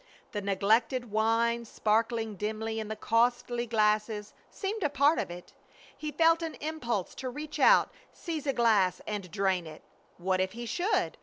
The neglected wine sparkling dimly in the costly glasses seemed a part of it. He felt an impulse to reach out, seize a glass, and drain it. What if he should?